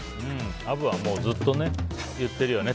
アブはずっと言ってるよね。